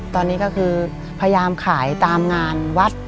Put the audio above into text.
ตอนนี้ก็คือพยายามขายตามงานวัด